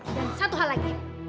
dan satu hal lagi